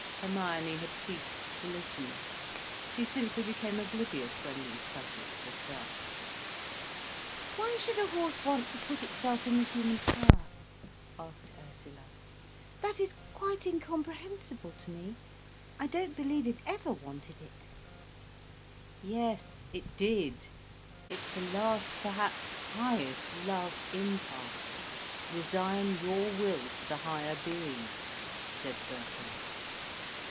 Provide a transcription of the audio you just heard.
Hermione had ceased to listen. She simply became oblivious when these subjects were started. "Why should a horse want to put itself in the human power?" asked Ursula. "That is quite incomprehensible to me. I don't believe it ever wanted it." "Yes it did. It's the last, perhaps highest, love impulse: resign your will to the higher being," said Birkin.